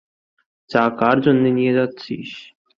চা কার জন্যে নিয়ে যাচ্ছিস?